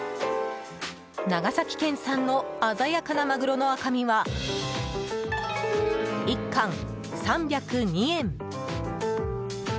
長崎県産の鮮やかなマグロの赤身は１貫３０２円。